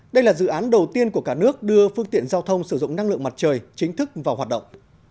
đây là dự án đầu tiên của cả nước đưa phương tiện giao thông sử dụng năng lượng mặt trời chính thức vào hoạt động